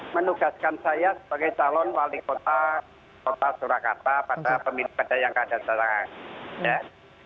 menugaskan saya sebagai calon wali kota surakarta pada pemilik pada yang keadaan serentak